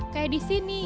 kayak di sini